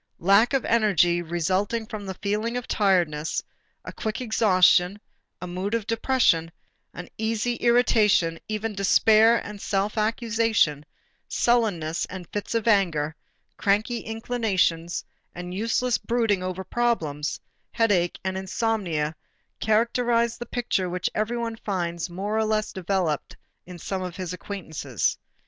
Lack of energy resulting from a feeling of tiredness, a quick exhaustion, a mood of depression, an easy irritation, even despair and self accusation, sullenness and fits of anger, cranky inclinations and useless brooding over problems, headache and insomnia characterize the picture which everyone finds more or less developed in some of his acquaintances.